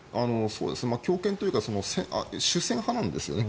強権というか主戦派なんですよね。